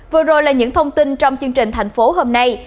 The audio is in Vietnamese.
vừa rồi là những thông tin trong chương trình thành phố hôm nay